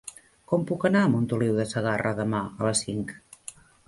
Com puc anar a Montoliu de Segarra demà a les cinc?